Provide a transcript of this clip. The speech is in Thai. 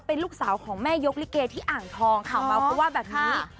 เป็นลูกสาวของแม่ยกลิเกที่อ่างทองข่าวเมาเขาว่าแบบนี้